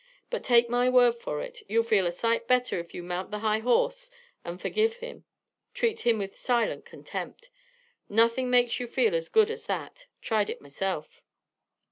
But, take my word for it, you'll feel a sight better if you mount the high horse and forgive him, treat him with silent contempt. Nothin' makes you feel as good as that. Tried it myself."